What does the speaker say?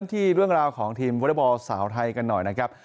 ที่เรื่องราวของทีมวอเตอร์บอลสาวไทยกันหน่อยนะครับ